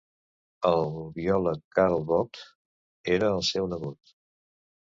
El biòleg Karl Vogt era el seu nebot.